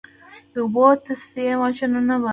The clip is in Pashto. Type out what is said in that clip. د اوبو تصفیې ماشینونه بازار لري؟